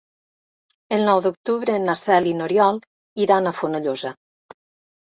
El nou d'octubre na Cel i n'Oriol iran a Fonollosa.